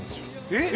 えっ？